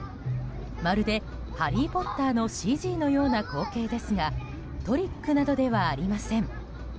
まるで「ハリー・ポッター」のＣＧのような光景ですがトリックなどではありません。